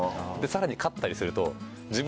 さらに勝ったりすると。